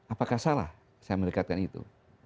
apakah salah saya mendekatkan itu